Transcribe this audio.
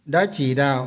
đã chỉ đạo